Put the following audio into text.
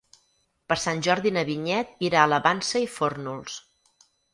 Per Sant Jordi na Vinyet irà a la Vansa i Fórnols.